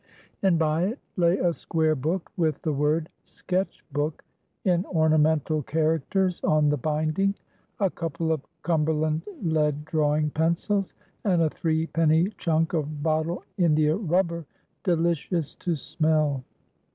And by it lay a square book with the word Sketch book in ornamental characters on the binding, a couple of Cumberland lead drawing pencils, and a three penny chunk of bottle India rubber, delicious to smell.